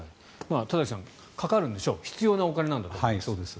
田崎さんかかるんでしょう必要なお金なんだと思います。